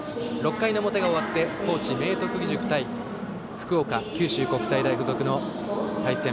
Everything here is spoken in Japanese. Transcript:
６回の表が終わって高知・明徳義塾対福岡・九州国際大付属の対戦。